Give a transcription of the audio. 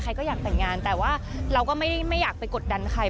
ก็อยากแต่งงานแต่ว่าเราก็ไม่อยากไปกดดันใคร